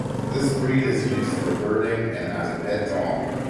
This breed is used for herding and as a pet dog.